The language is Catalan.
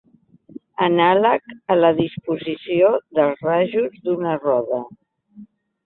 Anàleg a la disposició dels rajos d'una roda.